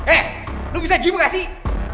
eh lo bisa jibu gak sih